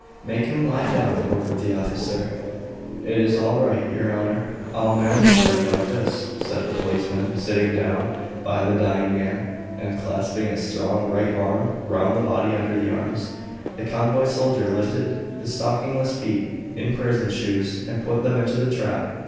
"Make him lie down," ordered the officer. "It's all right, your honour; I'll manage him like this," said the policeman, sitting down by the dying man, and clasping his strong, right arm round the body under the arms. The convoy soldier lifted the stockingless feet, in prison shoes, and put them into the trap.